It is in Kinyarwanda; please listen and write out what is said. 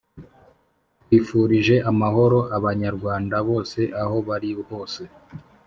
twifurije amahoro abanywanda bose aho bari hose.